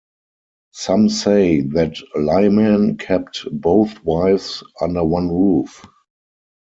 Some say that Lyman kept both wives under one roof.